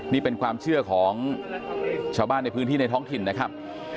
นี่เป็นความเชื่อของชาวบ้านในพื้นที่ในท้องถิ่นนะครับ